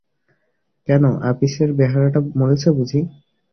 কেন, আপিসের বেহারাটা মরেছে বুঝি?